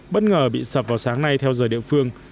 bất ngờ bị sập vào sáng nay theo giờ địa phương